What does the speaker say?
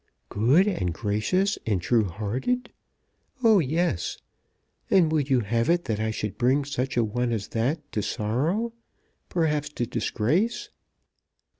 "Good, and gracious, and true hearted! Oh, yes! And would you have it that I should bring such a one as that to sorrow, perhaps to disgrace?"